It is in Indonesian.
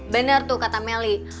bener tuh kata meli